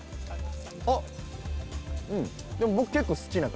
あっ。